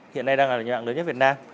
hiện nay đang là nhà mạng lớn nhất việt nam